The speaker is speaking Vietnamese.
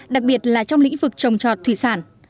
đặc biệt là trong lĩnh vực trồng trọt thủy sản